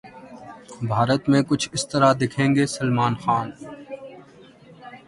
بھارت 'میں کچھ اس طرح دکھیں گے سلمان خان'